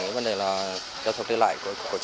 cái vấn đề là giao thông tư lại